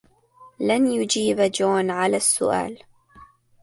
لن يجيب جون على السؤال.